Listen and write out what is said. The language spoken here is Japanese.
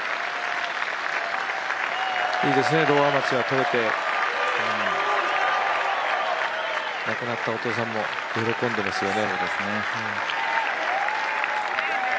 いいですね、ローアマチュア取れて、亡くなったお父さんも喜んでいますよね。